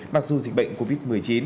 mặc dù dịch bệnh covid một mươi chín